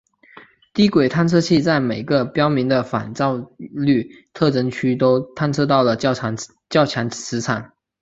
低轨探测器在每个标明的反照率特征区都探测到了较强磁场。